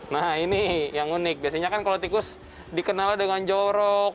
nah ini yang unik biasanya kan kalau tikus dikenalnya dengan jorok